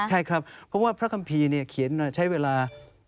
ใช่ครับเพราะว่าพระคัมภีร์เขียนใช้เวลา